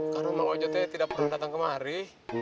karena mang ojo itu ya tidak pernah datang kemari